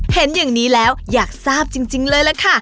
เห็นอย่างนี้แล้วอยากทราบจริงเลยล่ะค่ะ